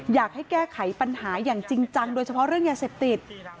อยากให้แก้ไขปัญหาอย่างจริงจังโดยเฉพาะเรื่องยาเสพติด